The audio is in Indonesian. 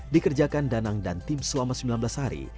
dikerjakan danang dan tim selama sembilan belas hari